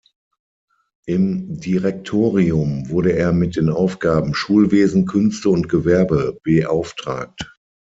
Im Direktorium wurde er mit den Aufgaben Schulwesen, Künste und Gewerbe beauftragt.